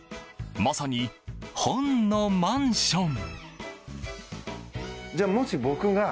まさに、本のマンション。